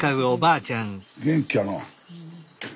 元気やな。